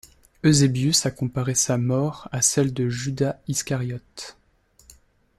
Eusebius a comparé sa mort à celle de Judas Iscariote.